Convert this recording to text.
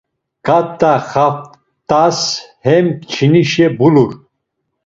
Ǩat̆a xaftas hem kçinişe bulur.